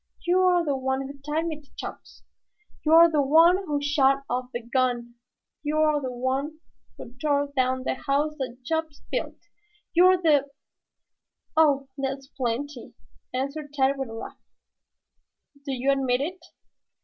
You're the one who tied me to Chops. You're the one who shot off the gun. You're the one who tore down the house that Chops built. You're the " "Oh, that's plenty," answered Tad with a laugh. "Do you admit it?"